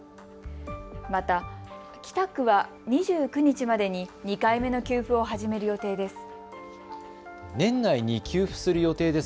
また、北区は２９日までに２回目の給付を始める予定です。